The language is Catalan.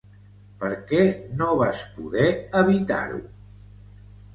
Per què no vas poder evitar-ho?